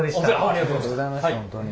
ありがとうございました本当に。